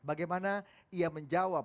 bagaimana ia menjawab